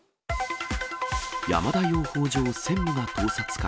山田養蜂場専務が盗撮か。